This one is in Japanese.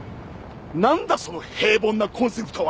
何だその平凡なコンセプトは！